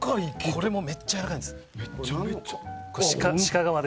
これもめっちゃやわらかいんです。